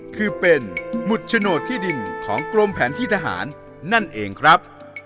คือเป็นหมุดโฉนดที่ดินของกรมแผนที่ทหารนั่นเองครับ